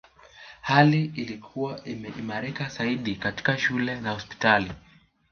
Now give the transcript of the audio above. Hali ilikuwa imeimarika zaidi katika shule na hospitali